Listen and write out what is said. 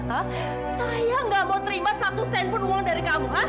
saya gak mau terima satu sen pun uang dari kamu